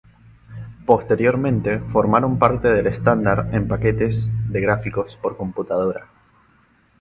Posteriormente formaron parte del estándar en paquetes de gráficos por computadora.